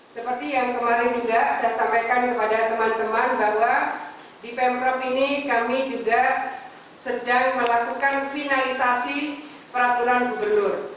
seperti yang kemarin juga saya sampaikan kepada teman teman bahwa di pemprov ini kami juga sedang melakukan finalisasi peraturan gubernur